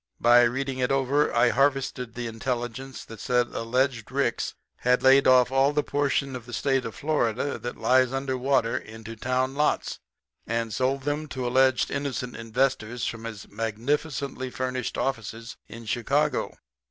By reading it over I harvested the intelligence that said alleged Ricks had laid off all that portion of the State of Florida that lies under water into town lots and sold 'em to alleged innocent investors from his magnificently furnished offices in Chicago.